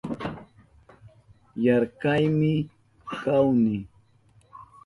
Yarkaymi kahuni